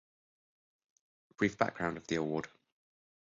Brief Background of the award.